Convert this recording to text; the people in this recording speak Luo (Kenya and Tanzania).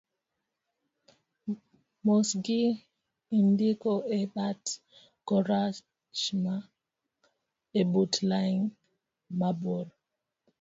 mosgi indiko e bat koracham ebut lain mabor